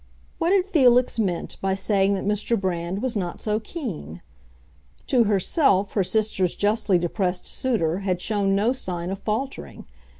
What had Felix meant by saying that Mr. Brand was not so keen? To herself her sister's justly depressed suitor had shown no sign of faltering.